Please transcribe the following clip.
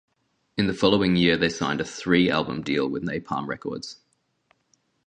In the following year they signed a three-album deal with Napalm Records.